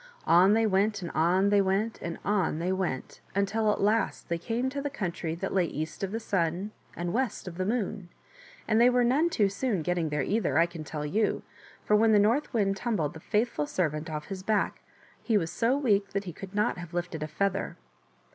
On they went and on they went and on they went, until at last they came to the country that lay east of the Sun and west of the Moon ; and they were none too soon getting there either, I can tell you, for when the North Wind tumbled the faithful servant off his back he was so weak that he could not have lifted a feather.